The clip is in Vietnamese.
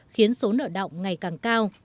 khiến số nợ động ngày càng cao